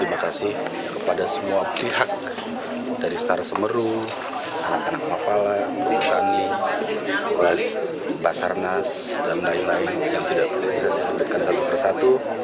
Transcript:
terima kasih kepada semua pihak dari star semeru anak anak mapala pemutani basarnas dan lain lain yang tidak bisa disimpitkan satu persatu